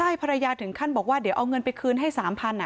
ใช่ภรรยาถึงขั้นบอกว่าเดี๋ยวเอาเงินไปคืนให้๓๐๐บาท